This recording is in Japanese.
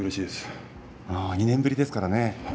２年ぶりですからね